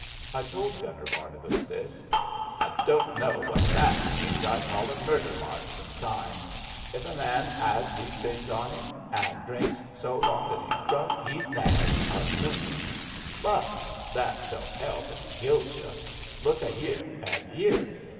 I told Gun ner Barnabas this. I don't know what that means. I call 'em murder marks an' signs. If a man 'as these things on 'im, an' drinks, so long as 'e's drunk, 'e's mad — a looney. But that doesn't 'elp if 'e kills you. Look a here, an' here!